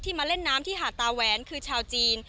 มาเล่นน้ำที่หาดตาแหวนคือชาวจีน